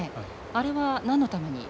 あれは何のために？